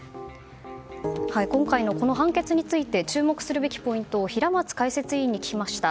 今回の判決について注目するべきポイントを平松解説委員に聞きました。